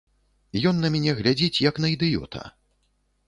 Ён на мяне глядзіць, як на ідыёта.